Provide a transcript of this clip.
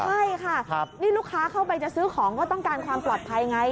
ใช่ค่ะนี่ลูกค้าเข้าไปจะซื้อของก็ต้องการความปลอดภัยไง